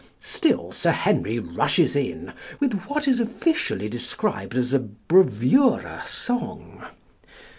Still, Sir Henry rushes in with what is officially described as a bravura song.